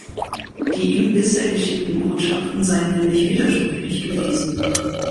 Die ihm bisher geschickten Botschaften seien nämlich widersprüchlich gewesen.